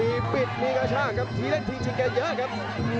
มีปิดมีกระชากครับทีเล่นทีชิงแกเยอะครับ